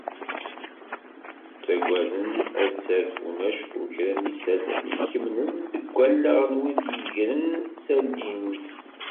Ttaggaden ad t-sserfun acku kra n yisallen i ikemnen deg wallaɣ n wid d-yeggran, ttalin-d.